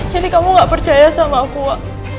jadi kamu gak percaya sama aku wak